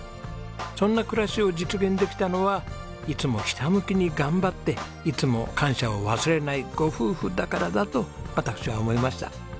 そんな暮らしを実現できたのはいつもひたむきに頑張っていつも感謝を忘れないご夫婦だからだと私は思いました。